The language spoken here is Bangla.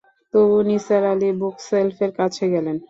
তবু নিসার আলি বুক সেলফের কাছে গেলেন।